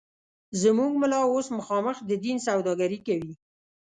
زموږ ملا اوس مخامخ د دین سوداگري کوي